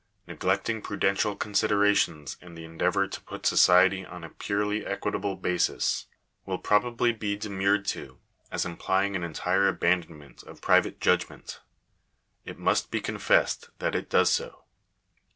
Neglecting prudential considera tions in the endeavour to put society on a purely equitable basis, will probably be demurred to, as implying an entire abandonment of private judgment It must be confessed that it does so.